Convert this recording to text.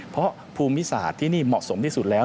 เพราะภูมิศาสตร์ที่นี่เหมาะสมที่สุดแล้ว